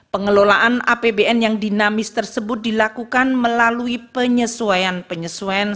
pengelolaan apbn yang dinamis tersebut dilakukan melalui penyesuaian penyesuaian